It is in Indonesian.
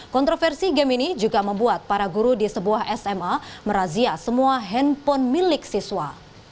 kontroversi game ini juga membuat para guru di sebuah sma merazia semua handphone milik siswa